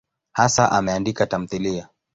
Hasa ameandika tamthiliya.